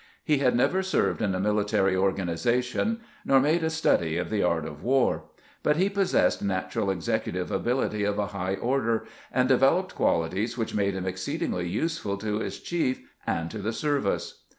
He had never served in a mili tary organization, nor made a study of the art of war ; but he possessed natural executive ability of a high order, and developed qualities which made him exceed ingly useful to his chief and to the service.